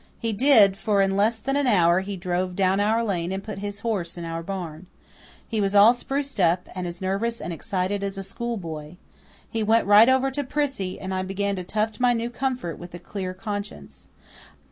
He did, for in less than an hour he drove down our lane and put his horse in our barn. He was all spruced up, and as nervous and excited as a schoolboy. He went right over to Prissy, and I began to tuft my new comfort with a clear conscience.